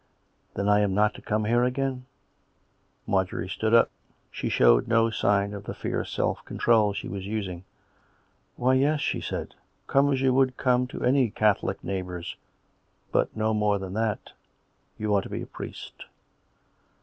" Then I am not to come here again }" Marjorie stood up. She showed no sign of the fierce self control she was using. " Why, yes," she said. " Come as you would come to any Catholic neighbours. But no more than that. ... You are to be a priest."